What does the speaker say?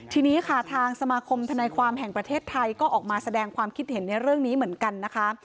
ทีนี้ค่ะทางสมาคมธนายความแห่งประเทศไทยก็ออกมาแสดงความคิดเห็นในเรื่องนี้เหมือนกันนะคะ